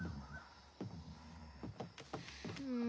うん。